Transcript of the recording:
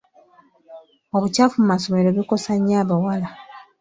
Obukyafu mu masomero bikosa nnyo abawala.